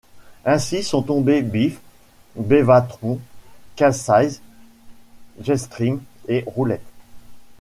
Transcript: Ainsi sont tombés Beef, Bevatron, Catseye, Jetstream et Roulette.